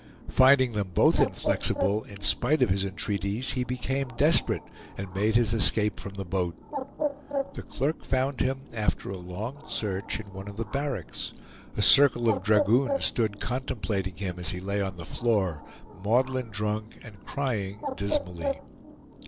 Finding them both inflexible in spite of his entreaties, he became desperate and made his escape from the boat. The clerk found him after a long search in one of the barracks; a circle of dragoons stood contemplating him as he lay on the floor, maudlin drunk and crying dismally.